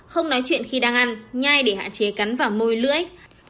không nói chuyện khi đang ăn nhai để hạn chế cắn vào môi lưỡi